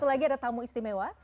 lagi ada tamu istimewa